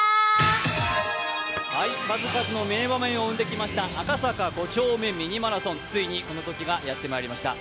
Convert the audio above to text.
数々の名場面を生んできました赤坂５丁目ミニマラソン、ついに、このときがやってまいりました。